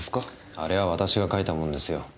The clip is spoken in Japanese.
あれは私が書いたものですよ。